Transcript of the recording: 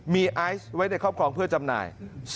มีไอซ์ไว้ในครอบครองเพื่อจำหน่าย